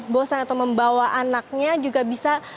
bosan atau membawa anaknya juga bisa